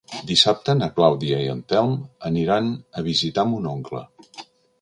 Dissabte na Clàudia i en Telm aniran a visitar mon oncle.